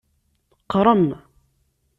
Qrem.